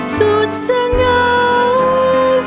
สุดเธอเหงา